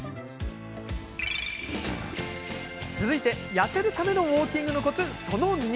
痩せるためのウォーキングのコツその２。